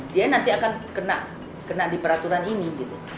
dia nanti akan kena di peraturan ini